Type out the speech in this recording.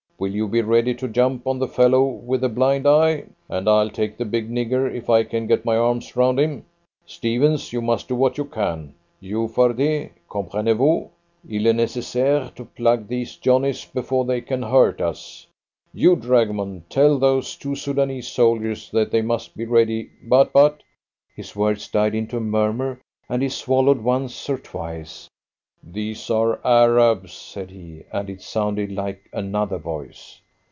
Will you be ready to jump on the fellow with the blind eye? and I'll take the big nigger, if I can get my arms round him. Stephens, you must do what you can. You, Fardet, comprenez vous? Il est necessaire to plug these Johnnies before they can hurt us. You, dragoman, tell those two Soudanese soldiers that they must be ready but, but" ... his words died into a murmur, and he swallowed once or twice. "These are Arabs," said he, and it sounded like another voice.